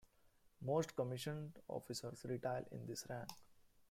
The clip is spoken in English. Most commissioned officers retire in this rank.